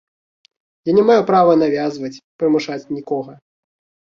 Я не маю права навязваць, прымушаць нікога.